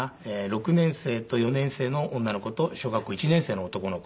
６年生と４年生の女の子と小学校１年生の男の子。